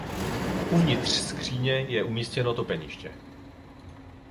Uvnitř skříně je umístěno topeniště.